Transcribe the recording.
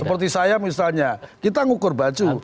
seperti saya misalnya kita ngukur baju